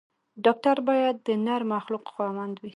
ډاکټر باید د نرمو اخلاقو خاوند وي.